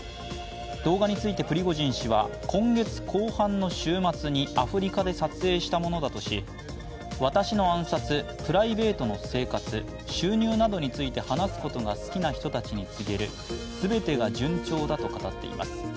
動画についてプリゴジン氏は今月後半の週末にアフリカで撮影したものだとし、私の暗殺、プライベートの生活、収入などについて話すことが好きな人たちに告げる、全てが順調だと語っています。